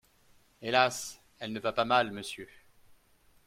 Hélas ! elle ne va pas mal, monsieur.